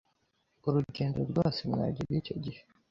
Urugendo rwose mwagira icyo gihe